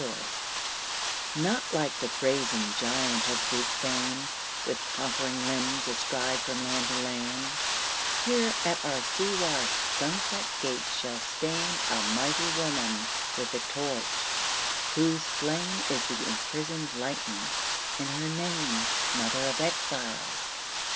* Not like the brazen giant of Greek fame, With conquering limbs astride from land to land; Here at our sea washed, sunset gates shall stand A mighty woman with a torch, whose flame Is the imprisoned lightning, and her name Mother of Exiles.